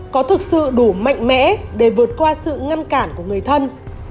có thực sự đủ mạnh mẽ để vượt qua sự ngăn cản của người thân